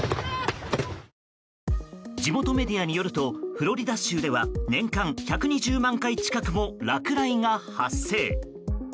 地元メディアによるとフロリダ州では年間１２０万回近くも落雷が発生。